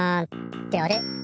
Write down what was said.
ってあれ？